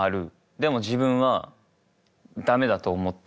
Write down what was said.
でも自分は駄目だと思ってる。